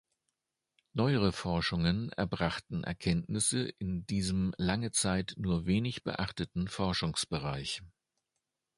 Neuere Forschungen erbrachten Erkenntnisse in diesem lange Zeit nur wenig beachteten Forschungsbereich.